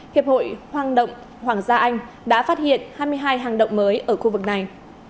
hiệp hội hoang động hoàng gia anh đã phát hiện hai mươi hai hang động mới ở khu vực này